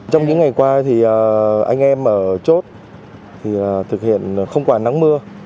trong những ngày qua thì anh em ở chốt thì thực hiện không quản nắng mưa